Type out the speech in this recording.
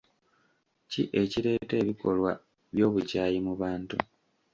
Ki ekireeta ebikolwa by'obukyayi mu bantu?